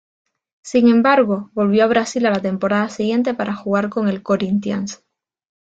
Sin embargo, volvió a Brasil a la temporada siguiente para jugar por el Corinthians.